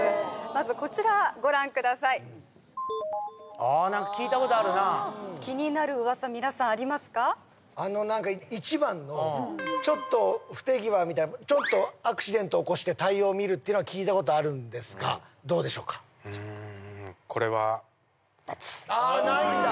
まずこちらご覧くださいああ何か聞いたことあるな気になるウワサ皆さんありますかあの何か１番のちょっと不手際みたいなちょっとアクシデント起こして対応を見るっていうのはんですがどうでしょうかうんこれはバツああないんだ